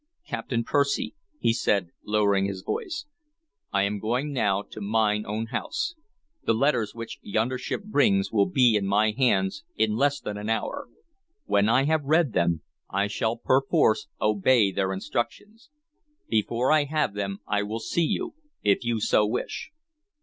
"Captain Percy," he said, lowering his voice, "I am going now to mine own house. The letters which yonder ship brings will be in my hands in less than an hour. When I have read them, I shall perforce obey their instructions. Before I have them I will see you, if you so wish."